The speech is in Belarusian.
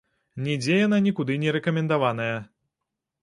Нідзе яна нікуды не рэкамендаваная.